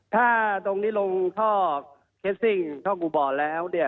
ถ้าตรงนี้ลงท่อเคสซิงท่อกุบรแล้ว